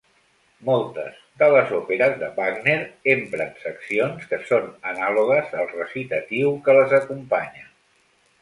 Moltes de les òperes de Wagner empren seccions que són anàlogues al recitatiu que les acompanya.